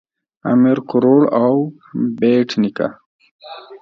امیر کروړ او بېټ نیکه